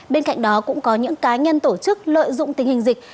bên cạnh đó cũng có những cá nhân tổ chức lợi dụng tình hình dịch